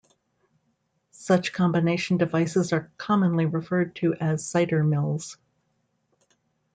Such combination devices are commonly referred to as cider mills.